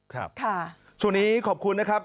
ครับค่ะช่วงนี้ขอบคุณนะครับ